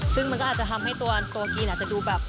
ซึ่งมันก็อาจจะทำให้ตัวกินอาจจะดูแบบ